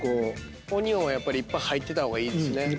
オニオンはいっぱい入ってた方がいいですね。